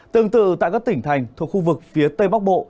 tương tự tại các tỉnh thành thuộc khu vực phía tây bắc bộ